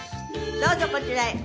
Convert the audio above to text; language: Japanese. どうぞこちらへ。